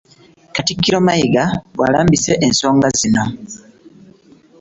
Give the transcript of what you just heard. Katikkiro Mayiga bw'alambise ensonga zino.